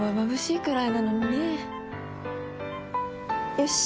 よし。